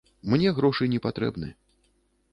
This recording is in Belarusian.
Мне грошы не патрэбны.